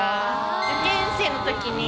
受験生のときに。